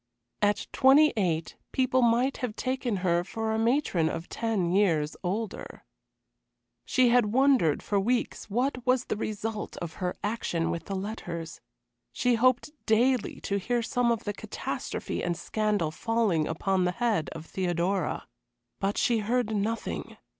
At twenty eight people might have taken her for a matron of ten years older. She had wondered for weeks what was the result of her action with the letters. She hoped daily to hear of some catastrophe and scandal falling upon the head of Theodora. But she heard nothing.